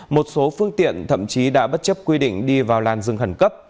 một số phương tiện thậm chí đã bất chấp quy định đi vào làn rừng khẩn cấp